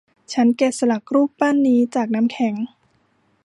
ฉันแกะสลักรูปปั้นนี้จากน้ำแข็ง